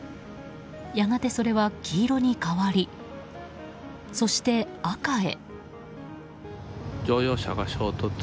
やがてそれは黄色に変わり、そして赤へ。